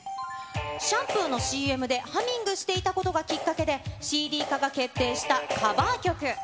シャンプーのＣＭで、ハミングしていたことがきっかけで、ＣＤ化が決定したカバー曲。